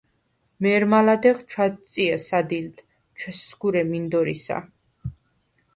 მე̄რმა ლადეღ ჩვაწჲე სადილდ, ჩვესსგურე მინდორისა.